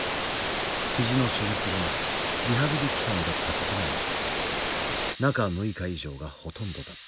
肘の手術後のリハビリ期間だったこともあり中６日以上がほとんどだった。